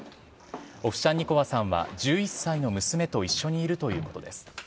オフシャンニコワさんは１１歳の娘と一緒にいるということです。